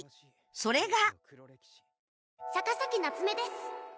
それが